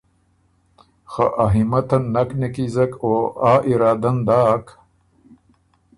خه ا همتن نک نیکیزک او آ ارادۀ ن داک